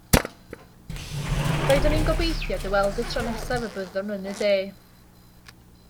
Roeddwn i'n gobeithio dy weld y tro nesaf y byddwn yn y de.